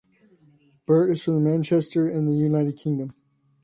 Burt is from Manchester in the United Kingdom.